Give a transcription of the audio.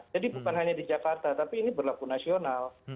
jadi bukan hanya di jakarta tapi ini berlaku nasional